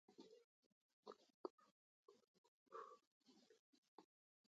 د ګونګرونګانو شړنګېدل يې تر غوږ شول